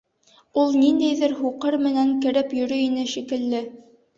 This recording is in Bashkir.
Ул ниндәйҙер һуҡыр менән кереп йөрөй ине, шикелле.